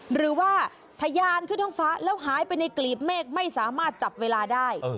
หรือว่าทะยานขึ้นท้องฟ้าแล้วหายไปในกลีบเมฆไม่สามารถจับเวลาได้